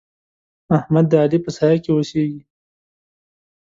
احمد د علي په سايه کې اوسېږي.